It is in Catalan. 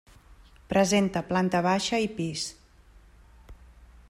Presenta planta baixa i pis.